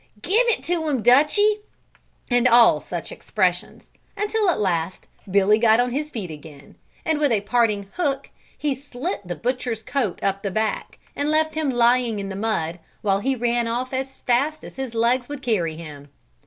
"Give it to him, Dutchie!" and all such expressions, until at last Billy got on his feet again, and with a parting hook he slit the butcher's coat up the back and left him lying in the mud, while he ran off as fast as his legs would carry him.